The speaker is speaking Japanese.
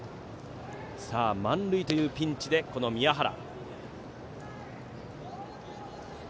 満塁というピンチで、この宮原。